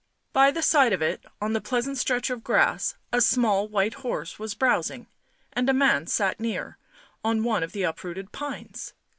By the side of it, on the pleasant stretch of grass, a small white horse was browsing, and a man sat near, on one of the uprooted pines.